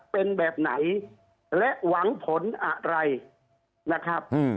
เป็นแบบไหนและหวังผลอะไรนะครับ